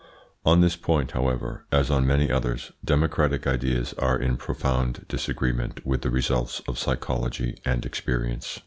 On this point, however, as on many others, democratic ideas are in profound disagreement with the results of psychology and experience.